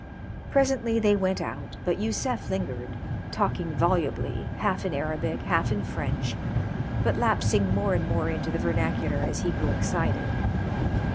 Presently they went out, but Yusef lingered, talking volubly, half in Arabic, half in French, but lapsing more and more into the vernacular as he grew excited.